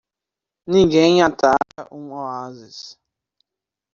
Ninguém ataca um oásis.